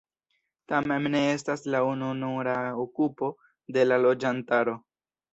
Tamen ne estas la ununura okupo de la loĝantaro.